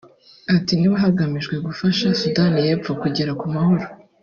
Ati “Niba hagamijwe gufasha Sudani y’Epfo kugera ku mahoro